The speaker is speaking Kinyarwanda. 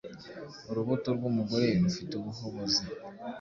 Urubuto rwumugore, rufite ubuhobozi